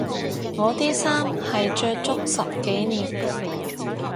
我啲衫係着足十幾年